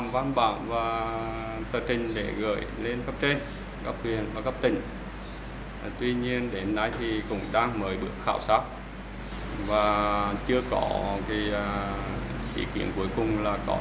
và chưa có ý kiến cuối cùng là có gì giờ hay không